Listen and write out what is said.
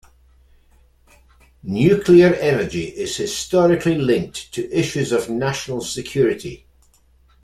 Nuclear energy is historically linked to issues of national security.